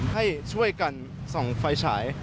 ให้ช่วยกันส่องไฟฉาย